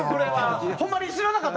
ホンマに知らなかった？